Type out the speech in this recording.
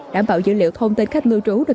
đảm bảo dữ liệu thông tin khách lưu trú được